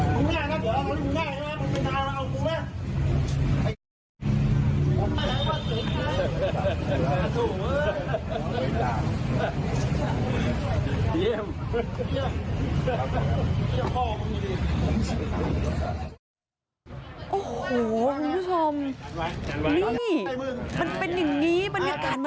มึงง่ายนะเดี๋ยวเอาอันนี้มึงง่ายแล้วมึงไม่ได้เอาแล้วเอากูแหละ